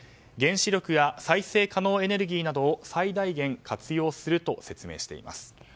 原子力や再生可能エネルギーなどを最大限活用すると説明しています。